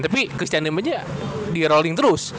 tapi christian lim aja di rolling terus